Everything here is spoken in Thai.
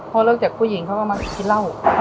พอเริ่มจากผู้หญิงเขาก็มากินเหล้า